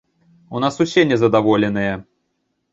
У нас усе незадаволеныя.